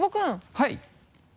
はい。